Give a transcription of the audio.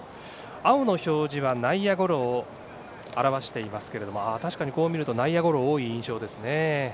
青の表示は内野ゴロを表していますが確かに見ると内野ゴロが多い印象ですね。